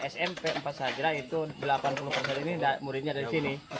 smp empat saja itu delapan puluh persen ini muridnya dari sini